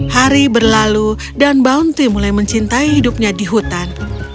hari berlalu dan bounty mulai mencintai hidupnya di hutan